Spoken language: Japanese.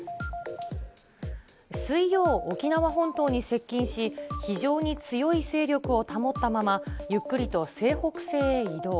水曜、沖縄本島に接近し、非常に強い勢力を保ったまま、ゆっくりと西北西へ移動。